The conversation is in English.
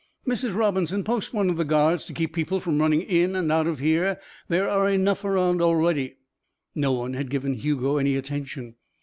"Mrs. Robinson, post one of the guards to keep people from running in and out of here. There are enough around already." No one had given Hugo any attention.